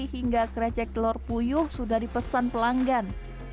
hingga krecek telur puyuh sudah dipesan pelanggan